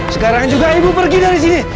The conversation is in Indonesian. sekarang juga ibu pergi dari sini